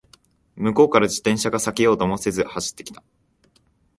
向こうから自転車が避けようともせず走ってきた